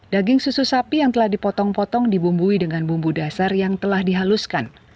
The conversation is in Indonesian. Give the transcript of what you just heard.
daging susu sapi yang telah dipotong potong dibumbui dengan bumbu dasar yang telah dihaluskan